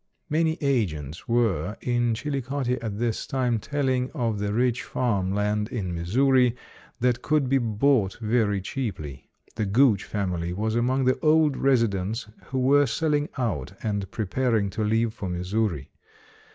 Many agents were in Chillicothe at this time telling of the rich farm land in Missouri that could be bought very cheaply. The Gooch family was among the old residents who were selling out and preparing to leave for Missouri.